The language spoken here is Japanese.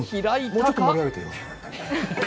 もうちょっと盛り上げてよ。